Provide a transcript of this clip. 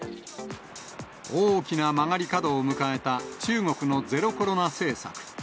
大きな曲がり角を迎えた中国のゼロコロナ政策。